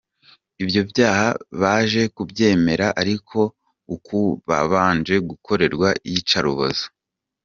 Ibyo byaha baje kubyemera ariko ari uko babanje gukorerwa iyicarubozo.